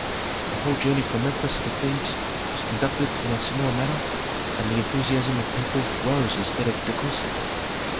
The whole journey from Memphis to Thebes was conducted in a similar manner and the enthusiasm of people rose instead of decreasing.